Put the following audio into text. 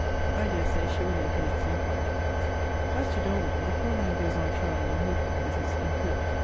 ] I dare say she will make an excellent wife. As to Doleman, the poor man goes on trying and hoping with his empiric.